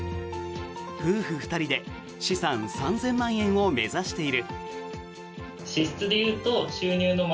夫婦２人で資産３０００万円を目指している。